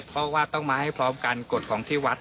เพราะว่าต้องมาให้พร้อมกันกฎของที่วัด